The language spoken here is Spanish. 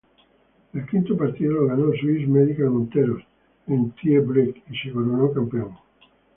El quinto partido lo ganó Swiss Medical Monteros en tie-break y se coronó campeón.